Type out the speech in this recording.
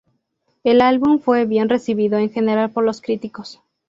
El álbum fue bien recibido en general por los críticos.